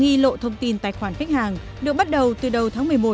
khi lộ thông tin tài khoản khách hàng được bắt đầu từ đầu tháng một mươi một